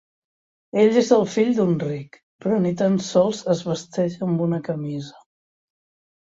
Ell és el fill d'un ric, però ni tan sols es vesteix amb una camisa.